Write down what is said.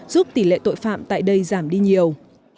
giúp tỷ lệ tội phạm tại đây giảm đi nhiều